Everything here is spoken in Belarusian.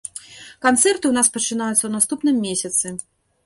Канцэрты ў нас пачынаюцца ў наступным месяцы.